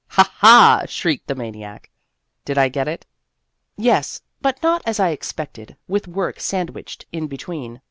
(Ha, ha! shrieked the maniac.) Did I get it ? Yes, but not as I expected, with work sandwiched in between.